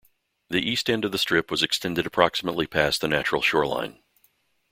The east end of the strip was extended approximately past the natural shoreline.